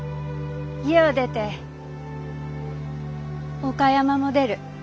家を出て岡山も出る。